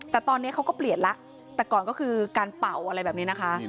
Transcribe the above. แต่ตอนนี้เขาก็เปลี่ยนแล้วแต่ก่อนก็คือการเป่าอะไรแบบนี้นะคะ